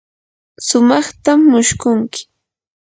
sumaqtam mushkunki.